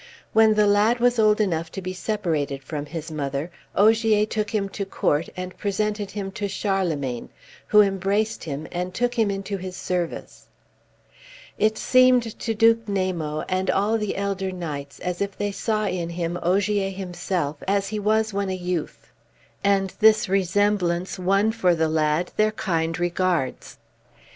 When the lad was old enough to be separated from his mother, Ogier took him to court and presented him to Charlemagne, who embraced him and took him into his service. It seemed to Duke Namo, and all the elder knights, as if they saw in him Ogier himself, as he was when a youth; and this resemblance won for the lad their kind regards.